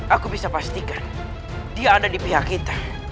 aku bisa pastikan dia ada di pihak kita